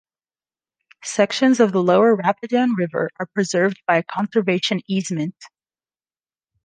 Sections of the lower Rapidan River are preserved by a conservation easement.